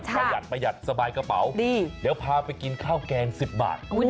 ประหยัดประหยัดสบายกระเป๋าเดี๋ยวพาไปกินข้าวแกง๑๐บาท